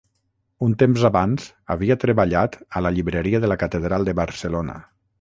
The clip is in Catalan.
Un temps abans havia treballat a la Llibreria de la catedral de Barcelona.